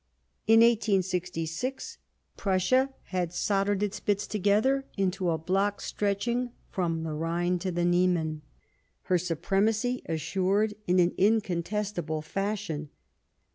In 1866 Prussia had soldered its bits together into a block stretch ing from the Rhine to the Niemen, her supremacy assured in an incontestable fashion.